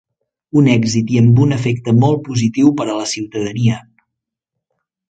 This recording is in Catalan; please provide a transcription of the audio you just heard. «Un èxit i amb un efecte molt positiu per a la ciutadania».